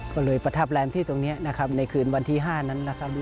ก็เลยประทับแรมที่ตรงนี้นะครับในคืนวันที่๕นั้นนะครับ